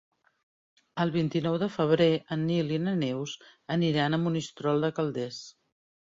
El vint-i-nou de febrer en Nil i na Neus aniran a Monistrol de Calders.